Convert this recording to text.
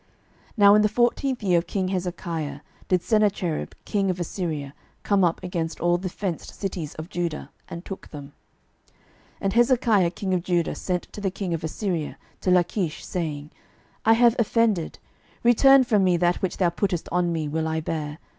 12:018:013 Now in the fourteenth year of king Hezekiah did Sennacherib king of Assyria come up against all the fenced cities of Judah, and took them. 12:018:014 And Hezekiah king of Judah sent to the king of Assyria to Lachish, saying, I have offended; return from me: that which thou puttest on me will I bear.